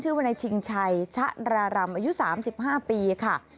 ชื่อว่าในชิงชัยชะระรำอายุ๓๕ปีค่ะ